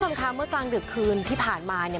คุณผู้ชมคะเมื่อกลางดึกคืนที่ผ่านมาเนี่ย